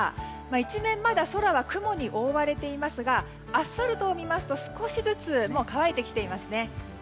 一面、まだ空は雲に覆われていますがアスファルトを見ますと少しずつ乾いてきていますね。